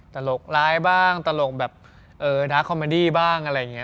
ตลกร้ายบ้างตลกแบบเออดาร์คอมเมอดี้บ้างอะไรอย่างนี้